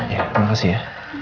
ya terima kasih ya